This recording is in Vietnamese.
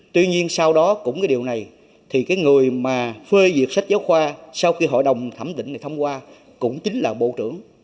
tuy nhiên sau đó cũng cái điều này thì cái người mà phê diệt sách giáo khoa sau khi hội đồng thẩm định này thông qua cũng chính là bộ trưởng